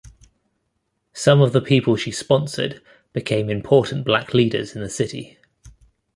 Some of the people she sponsored became important black leaders in the city.